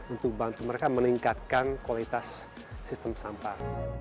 untuk bantu mereka meningkatkan kualitas sistem sampah